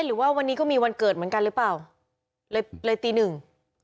หรือว่าวันนี้ก็มีวันเกิดเหมือนกันหรือเปล่าเลยเลยตีหนึ่ง